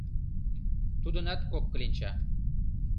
Тудынат кок кленча.